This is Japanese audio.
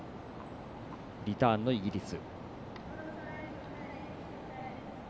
リターンのイギリス。